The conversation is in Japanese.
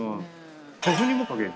豆腐にもかける。